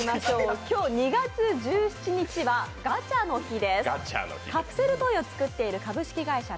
今日２月１７日はガチャの日です。